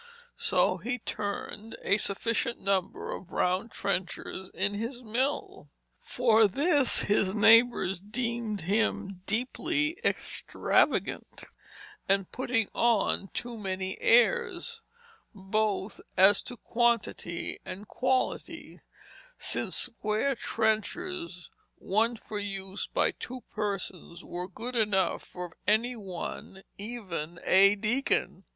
So he turned a sufficient number of round trenchers in his mill. For this his neighbors deemed him deeply extravagant and putting on too many airs, both as to quantity and quality, since square trenchers, one for use by two persons, were good enough for any one, even a deacon.